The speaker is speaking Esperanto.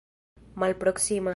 malproksima